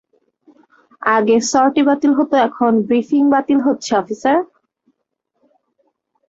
আগে সর্টি বাতিল হত, এখন ব্রিফিং বাতিল হচ্ছে - অফিসার!